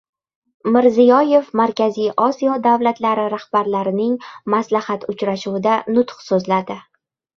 Mirziyoyev Markaziy Osiyo davlatlari rahbarlarining Maslahat uchrashuvida nutq so‘zladi